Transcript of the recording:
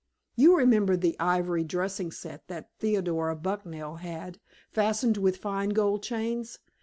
You remember the ivory dressing set that Theodora Bucknell had, fastened with fine gold chains?